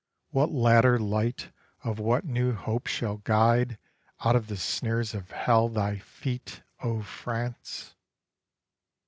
What latter light of what new hope shall guide Out of the snares of hell thy feet, O France?